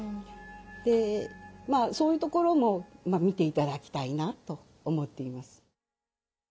でまあそういうところも見ていただきたいなと思っています。